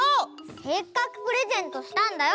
せっかくプレゼントしたんだよ！